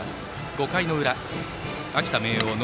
５回の裏、秋田・明桜の攻撃。